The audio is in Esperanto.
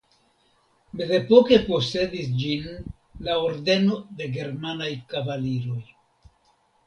Mezepoke posedis ĝin la Ordeno de germanaj kavaliroj.